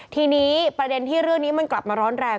ทีนี้ประเด็นที่เรื่องนี้มันกลับมาร้อนแรง